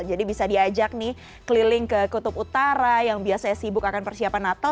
jadi bisa diajak keliling ke kutub utara yang biasanya sibuk akan persiapan natal